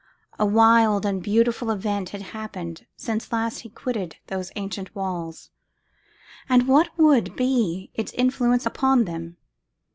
A wild and beautiful event had happened since last he quitted those ancient walls. And what would be its influence upon them?